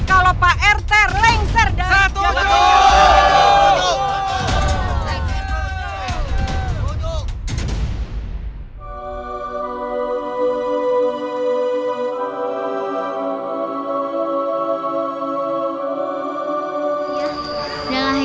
kalau pak rt lengser datu